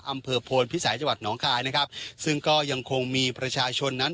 อำเภอโพนพิสัยจังหวัดหนองคายนะครับซึ่งก็ยังคงมีประชาชนนั้น